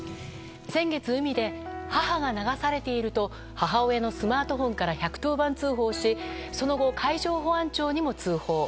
先月、海で母が流されていると母親のスマートフォンから１１０番通報しその後、海上保安庁にも通報。